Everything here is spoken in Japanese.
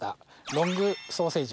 ロングソーセージ。